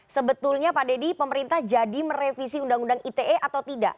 sebetulnya pak deddy pemerintah jadi merevisi undang undang ite atau tidak